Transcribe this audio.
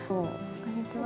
こんにちは。